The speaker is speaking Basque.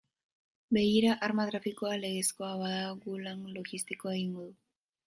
Begira, arma trafikoa legezkoa bada, guk lan logistikoa egingo dugu.